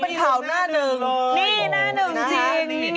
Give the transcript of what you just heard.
นี่หน้าหนึ่งจริง